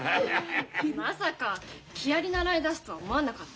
まさか木遣り習いだすとは思わなかった。